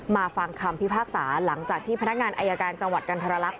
ฟังคำพิพากษาหลังจากที่พนักงานอายการจังหวัดกันทรลักษ